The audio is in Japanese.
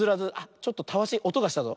ちょっとたわしおとがしたぞ。